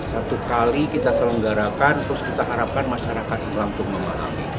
satu kali kita selenggarakan terus kita harapkan masyarakat langsung memahami